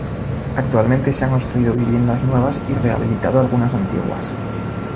Actualmente se han construido viviendas nuevas y rehabilitado algunas antiguas.